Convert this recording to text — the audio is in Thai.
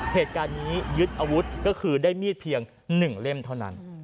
เหตุการณ์นี้ยึดอาวุธก็คือได้มีดเพียง๑เล่มเท่านั้น